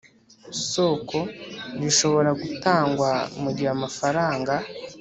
soko rishobora gutangwa mu gihe amafaranga